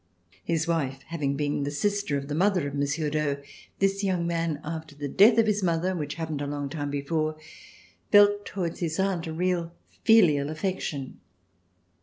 His wife having been the sister of the mother of Monsieur d'Aux, this young man, after the death of his mother, which happened a long time before, felt towards his aunt a real filial affection.